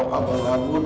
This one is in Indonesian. oh apa ada ya pak